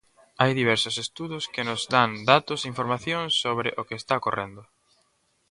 Hai diversos estudos que nos dan datos e información sobre o que está ocorrendo.